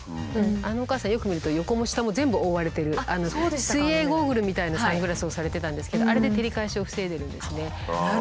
あのおかあさんよく見ると横も下も全部覆われてる水泳ゴーグルみたいなサングラスをされてたんですけどあれで照り返しを防いでるんですね。